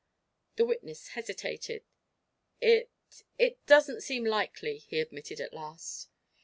The witness hesitated. "It it doesn't seem likely," he admitted at last.